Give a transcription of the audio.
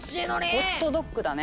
ホットドッグだね。